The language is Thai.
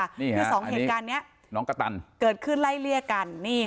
ที่สองเหตุการณ์เนี่ยเกิดขึ้นไล่เลี่ยกัน